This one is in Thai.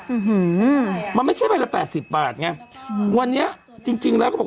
อืมมันไม่ใช่ใบละแปดสิบบาทไงอืมวันนี้จริงจริงแล้วเขาบอก